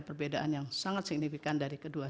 perbedaan yang sangat signifikan dari kedua